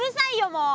もう。